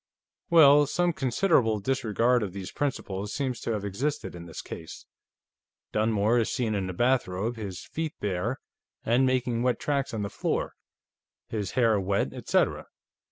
"Well, some considerable disregard of these principles seems to have existed in this case. Dunmore is seen in a bathrobe, his feet bare and making wet tracks on the floor, his hair wet, etcetera.